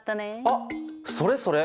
あっそれそれ。